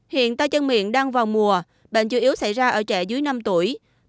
hiện tay chân miệng đang vào mùa bệnh chủ yếu xảy ra ở trẻ dưới năm tuổi